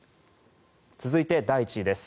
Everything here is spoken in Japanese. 続いて、第１位です。